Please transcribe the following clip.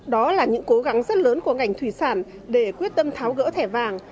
đó là những cố gắng rất lớn của ngành thủy sản để quyết tâm tháo gỡ thẻ vàng